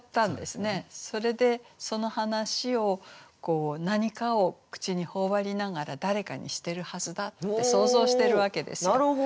それでその話を何かをくちにほおばりながら誰かにしてるはずだって想像してるわけですよ。